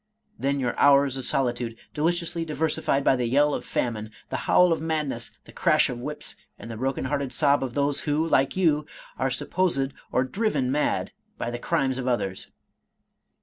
^Then your hours of solitude, deliciously di versified by the yell of famine, the howl of madness, the crash of whips, and the broken hearted sob of those who, like you, are supposed, or driven mad by the crimes of others